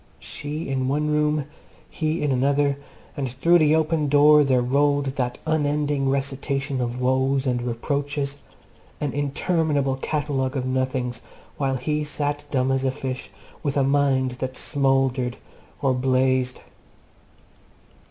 She in one room, he in another, and through the open door there rolled that unending recitation of woes and reproaches, an interminable catalogue of nothings, while he sat dumb as a fish, with a mind that smouldered or blazed.